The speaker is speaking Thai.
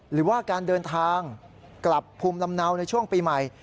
หรือว่าการเดินทางกลับภูมิลำเนาในช่วงปีใหม่